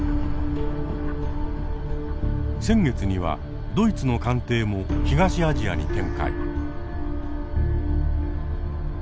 先月にはドイツの艦艇も東アジアに展開。